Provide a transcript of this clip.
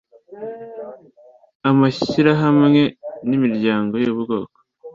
amashyirahamwe n imiryango y ubwoko